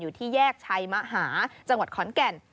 อยู่ที่แยกชัยมหาจังหวัดขอนแก่น